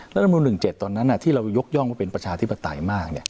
รัฐมนุน๑๗ตอนนั้นที่เรายกย่องว่าเป็นประชาธิปไตยมาก